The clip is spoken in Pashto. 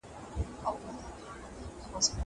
څو دي توان رسي په لوی دریاب کي ګرځه